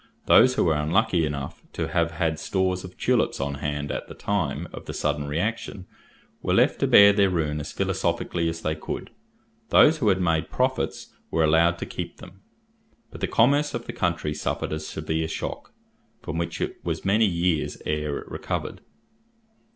Those who were unlucky enough to have had stores of tulips on hand at the time of the sudden reaction were left to bear their ruin as philosophically as they could; those who had made profits were allowed to keep them; but the commerce of the country suffered a severe shock, from which it was many years ere it recovered.